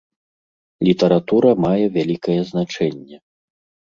Літаратура мае вялікае значэнне.